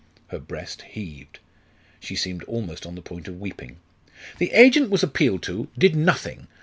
Her breast heaved; she seemed almost on the point of weeping. "The agent was appealed to did nothing.